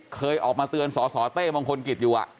เคยออกมาเตือนสสเต้มงคลกิจอยู่